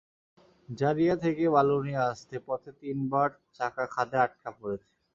জারিয়া থেকে বালু নিয়ে আসতে পথে তিনবার চাকা খাদে আটকা পড়েছে।